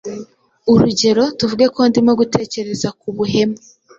urugero, tuvuge ko ndimo gutekereza ku buhemu